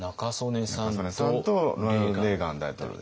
中曽根さんとレーガン大統領ですね。